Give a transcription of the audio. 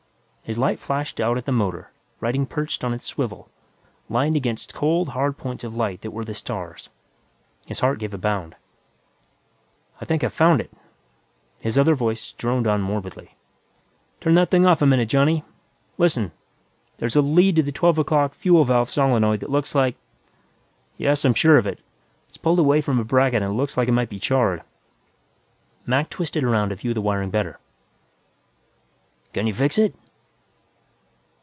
His light flashed out at the motor, riding perched on its swivel, limned against cold, hard points of light that were the stars. His heart gave a bound. "I think I've found it!" His other voice droned on morbidly. "Turn that thing off a minute, Johnny. Listen; there's a lead to the twelve o'clock fuel valve solenoid that looks like ... yes, I'm sure of it. It's pulled away from a bracket and looks like it might be charred." Mac twisted around to view the wiring better. "Can you fix it?"